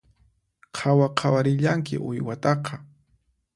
Qhawa qhawarillanki uywataqa